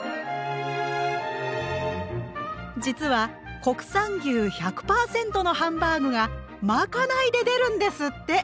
実は国産牛１００％のハンバーグがまかないで出るんですって！